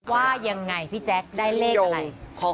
ว่ายังไงพี่แจ๊คได้เลขอะไร